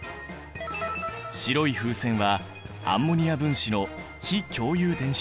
白い風船はアンモニア分子の非共有電子対。